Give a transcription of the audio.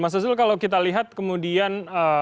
mas azul kalau kita lihat kemudian